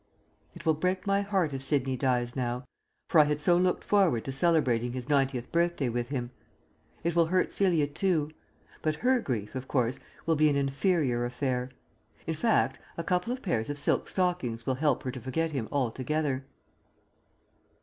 It will break my heart if Sidney dies now, for I had so looked forward to celebrating his ninetieth birthday with him. It will hurt Celia too. But her grief, of course, will be an inferior affair. In fact, a couple of pairs of silk stockings will help her to forget him altogether.